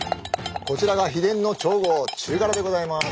こちらが秘伝の調合中辛でございます。